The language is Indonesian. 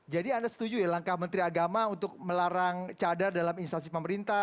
jadi anda setuju ya langkah menteri agama untuk melarang cadar dalam instansi pemerintah